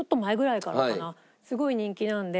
すごい人気なので。